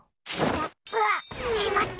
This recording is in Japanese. うわ！しまった。